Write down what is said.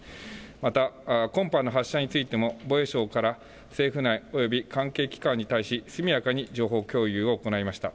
また今般の発射についても防衛省から政府内および関係機関に対し速やかに情報共有を行いました。